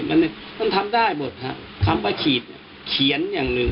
มันมันทำได้หมดฮะคำว่าขีดเขียนอย่างหนึ่ง